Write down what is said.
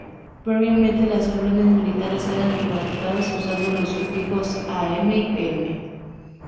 Previamente, las órdenes militares eran redactadas usando los sufijos "a. m." y "p. m.".